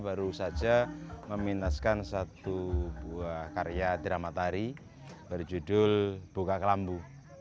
baru saja memintaskan satu buah karya drama tari berjudul buka kelambu